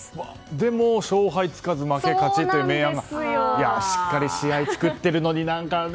でも勝敗がつかず負け、勝ちという明暗がしっかり試合を作ってるのに何かね。